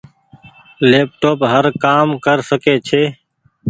ليپ ٽوپ هر ڪآ م ڪر ڪسي ڇي۔